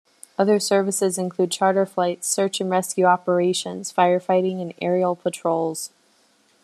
Other services included charter flights, search and rescue operations, firefighting and aerial patrols.